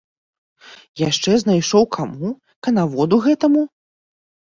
Яшчэ знайшоў каму, канаводу гэтаму?!